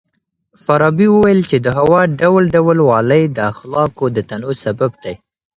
فارابي وويل چي د هوا ډول ډول والی د اخلاقو د تنوع سبب دی.